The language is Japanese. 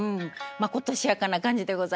まことしやかな感じでございます。